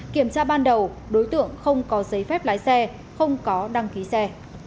kiểm tra ban đầu đối tượng không có giấy phép lái xe không có đăng ký xe